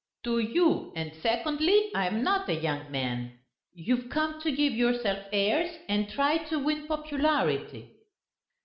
"To you; and secondly, I am not a young man.... You've come to give yourself airs and try to win popularity."